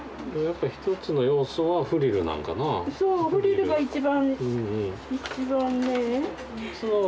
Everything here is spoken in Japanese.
そうフリルが一番。